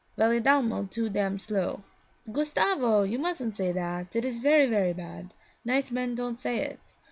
Valedolmo too dam slow.' 'Gustavo! You mustn't say that; it is very, very bad. Nice men don't say it.'